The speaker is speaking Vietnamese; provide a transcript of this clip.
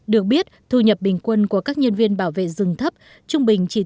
được biết thu nhập bình quân của các nhân viên bảo vệ rừng là một trong những công việc đối với công ty này